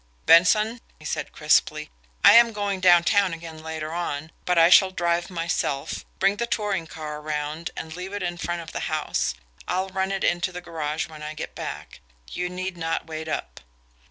"Benson," he said crisply, "I am going downtown again later on, but I shall drive myself. Bring the touring car around and leave it in front of the house. I'll run it into the garage when I get back you need not wait up."